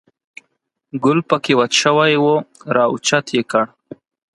ګل په کې وچ شوی و، را اوچت یې کړ.